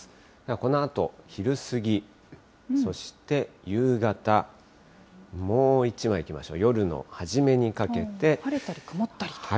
このあと昼過ぎ、そして夕方、もう１枚いきましょう、晴れたり曇ったりと。